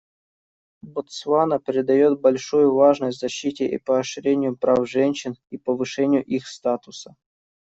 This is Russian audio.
Ботсвана придает большую важность защите и поощрению прав женщин и повышению их статуса.